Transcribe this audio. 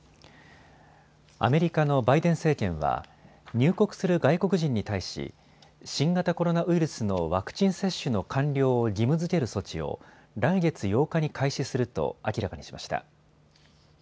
アメリカのバイデン政権は入国する外国人に対し新型コロナウイルスのワクチン接種の完了を義務づける措置を来月８日に開始すると明らかにしました。